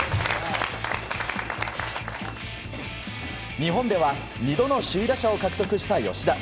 日本では２度の首位打者を獲得した吉田。